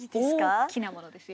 大きなものですよ。